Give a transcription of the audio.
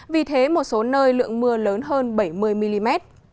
vì thế một số nơi lượng mưa lớn hơn bảy mươi mm